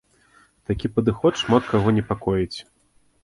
Такі падыход шмат каго непакоіць.